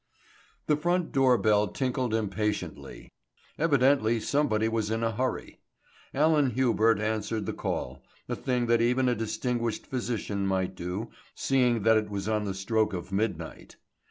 The front door bell tinkled impatiently; evidently somebody was in a hurry. Alan Hubert answered the call, a thing that even a distinguished physician might do, seeing that it was on the stroke of midnight.